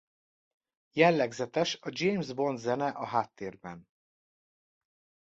Jellegzetes a James Bond-zene a háttérben.